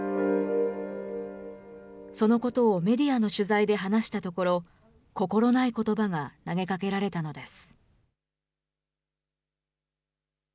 そのことをメディアの取材で話したところ、心ないことばが投げかけられたのです。